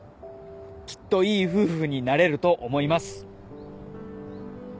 「きっといい夫婦になれると思います」